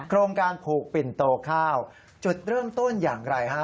โครงการผูกปิ่นโตข้าวจุดเริ่มต้นอย่างไรฮะ